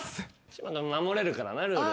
島君守れるからねルール。